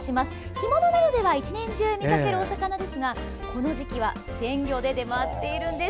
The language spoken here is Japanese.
干物などでは１年中、見かけるお魚ですがこの時期は、鮮魚で出回っているんです。